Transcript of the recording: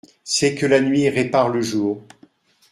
C'est que la nuit répare le jour.